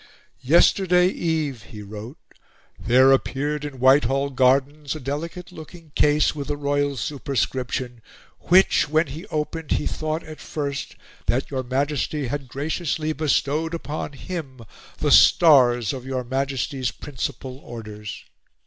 "Yesterday eve," he wrote, "there appeared, in Whitehall Gardens, a delicate looking case, with a royal superscription, which, when he opened, he thought, at first, that your Majesty had graciously bestowed upon him the stars of your Majesty's principal orders."